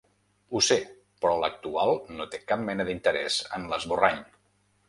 Ho sé, però l’actual no té cap mena d’interès en l’esborrany.